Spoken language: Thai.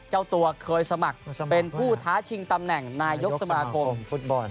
เจ้าตัวเคยสมัครเป็นผู้ท้าชิงตำแหน่งนายกสมาคมฟุตบอล